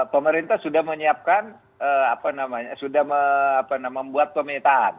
pemerintah sudah menyiapkan apa namanya sudah membuat pemetaan